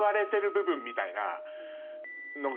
部分みたいなのが。